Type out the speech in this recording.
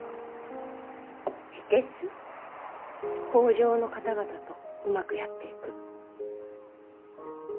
北条の方々とうまくやっていく。